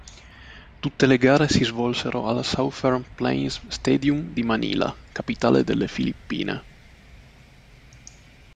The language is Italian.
Tutte le gare si svolsero al Southern Plains Stadium di Manila, capitale delle Filippine.